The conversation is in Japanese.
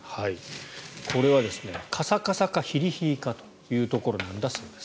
これはカサカサかヒリヒリかというところなんだそうです。